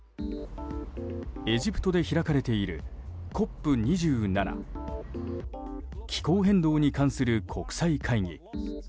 エジプトで開かれているＣＯＰ２７・気候変動に関する国際会議。